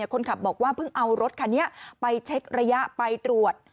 คนขับบอกว่าเพิ่งเอารถคันนี้ไปเช็กระยะไปตรวจ